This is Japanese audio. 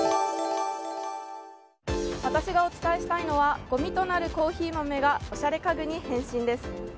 私がお伝えしたいのはごみとなるコーヒー豆がオシャレ家具に変身です。